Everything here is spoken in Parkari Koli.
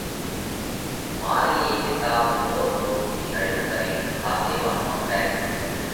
مارئِي اي ڪِتاٻ زور زور ٿِي رڙيون ڪرينَ ۿاسي واتون ڪئه